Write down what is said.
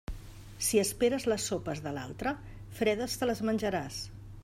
Si esperes les sopes de l'altre, fredes te les menjaràs.